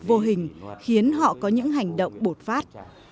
vô hình khiến họ có những hành động bột phát